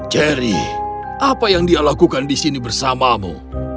jerry apa yang dia lakukan di sini bersamamu